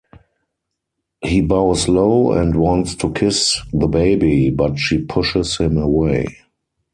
He bows low and wants to kiss the baby but she pushes him away.